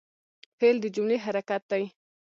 فعل د جملې حرکت دئ.